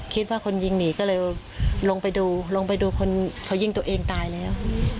คิดว่าคนยิงหนีก็เลยลงไปดูลงไปดูคนเขายิงตัวเองตายแล้ว